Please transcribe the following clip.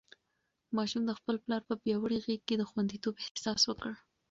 ماشوم د خپل پلار په پیاوړې غېږ کې د خونديتوب احساس وکړ.